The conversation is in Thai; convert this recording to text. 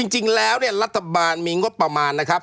จริงแล้วลัตฯบาลมีงบประมาณนะครับ